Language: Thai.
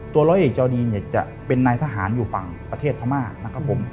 ร้อยเอกจอดีนเนี่ยจะเป็นนายทหารอยู่ฝั่งประเทศพม่านะครับผม